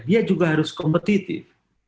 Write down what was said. dia juga harus kompetitif